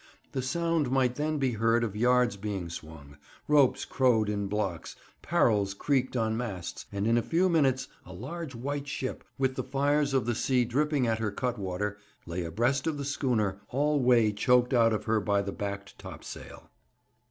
The sound might then be heard of yards being swung; ropes crowed in blocks, parrels creaked on masts, and in a few minutes a large white ship, with the fires of the sea dripping at her cutwater, lay abreast of the schooner, all way choked out of her by the backed topsail.